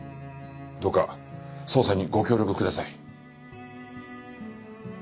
どうか捜査にご協力ください。